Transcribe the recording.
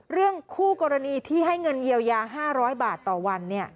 เรื่องคู่กรณีที่ให้เงินเยียวยา๕๐๐บาทต่อวัน